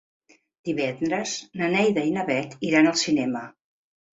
Divendres na Neida i na Bet iran al cinema.